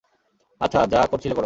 আচ্ছা, যা করছিলে করো!